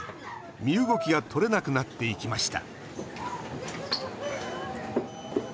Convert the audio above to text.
身動きが取れなくなっていきました